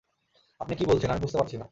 আপনি কী বলছেন, আমি বুঝতে পারছি না।